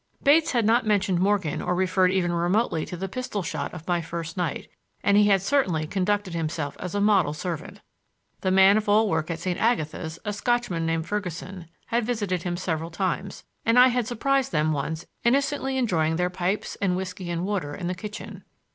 Bates had not mentioned Morgan or referred even remotely to the pistol shot of my first night, and he had certainly conducted himself as a model servant. The man of all work at St. Agatha's, a Scotchman named Ferguson, had visited him several times, and I had surprised them once innocently enjoying their pipes and whisky and water in the kitchen.